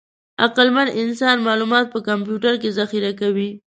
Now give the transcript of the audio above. عقلمن انسان معلومات په کمپیوټر کې ذخیره کوي.